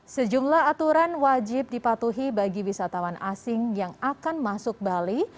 sejumlah aturan wajib dipatuhi bagi wisatawan asing yang akan masuk bali